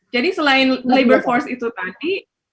jadi selain labor force itu tadi